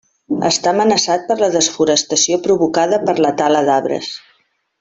Està amenaçat per la desforestació provocada per la tala d'arbres.